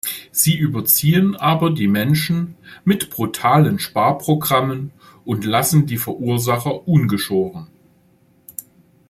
Sie überziehen aber die Menschen mit brutalen Sparprogrammen und lassen die Verursacher ungeschoren!